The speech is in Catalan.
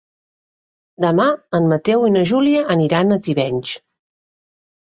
Demà en Mateu i na Júlia aniran a Tivenys.